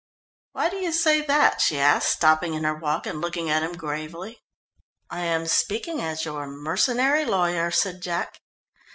"Why do you say that?" she asked, stopping in her walk and looking at him gravely. "I am speaking as your mercenary lawyer," said Jack.